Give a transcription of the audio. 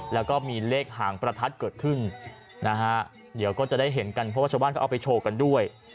แล้วก็มีเลขหางประทัดเกิดขึ้นนะฮะเดี๋ยวก็จะได้เห็นกันเพราะว่าชาวบ้านเขาเอาไปโชว์กันด้วย